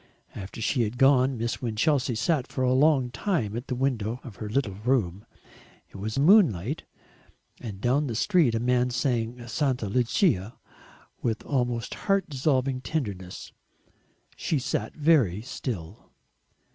After she had gone Miss Winchelsea sat for a long time at the window of her little room. It was moonlight, and down the street a man sang "Santa Lucia" with almost heart dissolving tenderness.... She sat very still.